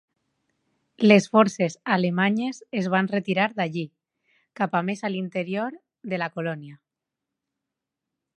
Les forces alemanyes es van retirar d'allí, cap a més a l'interior de la colònia.